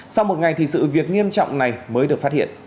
sau một ngày thì sự việc nghiêm trọng này mới được phát hiện